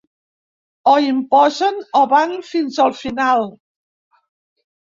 O imposen, o van fins al final.